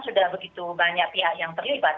sudah begitu banyak pihak yang terlibat